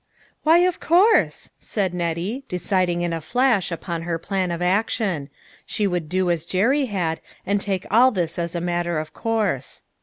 " Why, of course," said Nettie, deciding in a flash upon her plan of action ; she would do as Jerry had, and take all this as a matter of course.